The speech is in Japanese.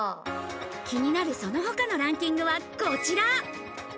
気になるその他のランキングはこちら。